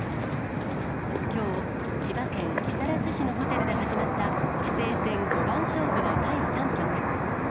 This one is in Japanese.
きょう、千葉県木更津市のホテルで始まった棋聖戦五番勝負の第３局。